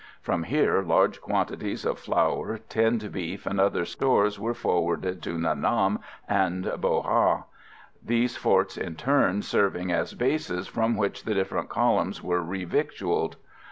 From here large quantities of flour, tinned beef and other stores were forwarded to Nha Nam and Bo Ha, these forts in turn serving as bases, from which the different columns were revictualed.